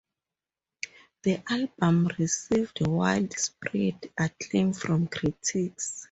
The album received widespread acclaim from critics.